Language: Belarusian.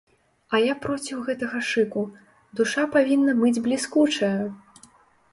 А я проціў гэтага шыку, душа павінна быць бліскучая!